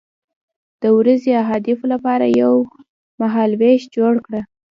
د ورځني اهدافو لپاره یو مهالویش جوړ کړه.